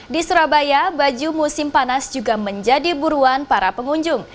di surabaya baju musim panas juga menjadi buruan para pengunjung